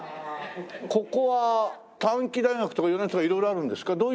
ここは短期大学とか４年制とか色々あるんですか？